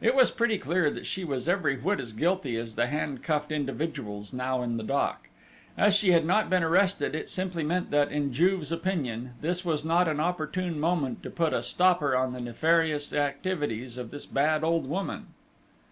It was pretty clear that she was every whit as guilty as the handcuffed individuals now in the dock. As she had not been arrested, it simply meant that, in Juve's opinion, this was not an opportune moment to put a stopper on the nefarious activities of this bad old woman.